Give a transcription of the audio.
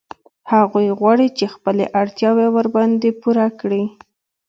هغوی غواړي چې خپلې اړتیاوې ورباندې پوره کړي